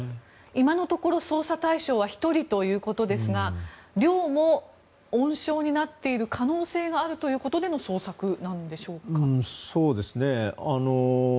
今のところ捜査対象は１人ということですが寮も温床になっている可能性があるということでのそうですね。